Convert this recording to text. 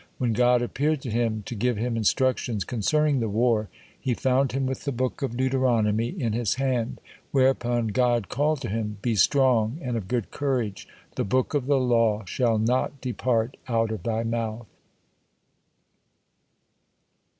When God appeared to him, to give him instructions concerning the war, He found him with the Book of Deuteronomy in his hand, whereupon God called to him: "Be strong and of good courage; the book of the law shall not depart out of thy mouth."